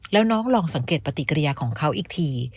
แล้วน้องลองสังเกตปฏิกิริยาของเขาอีกที